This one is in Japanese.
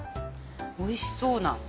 おいしそうな卵。